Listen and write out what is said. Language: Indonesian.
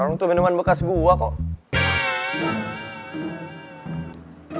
orang itu minuman bekas gue kok